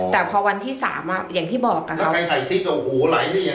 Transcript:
แต่พอวันที่สามอ่ะอย่างที่บอกอ่ะครับแล้วใครใครคิดว่าโหไหล่นี่อย่างนั้น